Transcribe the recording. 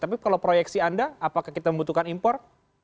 tapi kalau proyeksi anda apakah kita membutuhkan impor